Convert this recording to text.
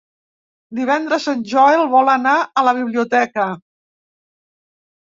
Divendres en Joel vol anar a la biblioteca.